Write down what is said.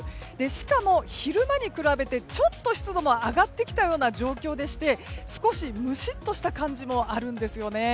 しかも、昼間に比べてちょっと湿度が上がってきたような状況でして少しムシッとした感じもあるんですよね。